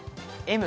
Ｍ。